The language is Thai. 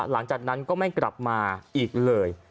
หลังจากนั้นก็ไม่กลับมาอีกเลย